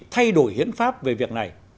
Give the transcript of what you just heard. thay đổi hiến pháp về việc này